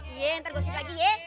iya ntar gue kasihin lagi ya